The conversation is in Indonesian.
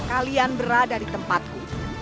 kalian berada di tempatku